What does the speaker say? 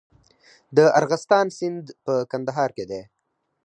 د ارغستان سیند په کندهار کې دی